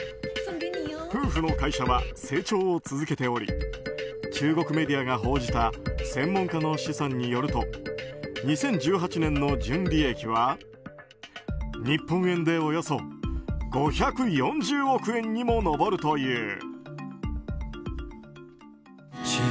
夫婦の会社は成長を続けており中国メディアが報じた専門家の試算によると２０１８年の純利益は日本円でおよそ５４０億円にも上るという。